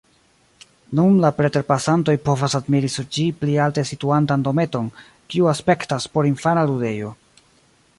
Nun preterpasantoj povas admiri sur ĝi pli alte situantan dometon, kiu aspektas porinfana ludejo.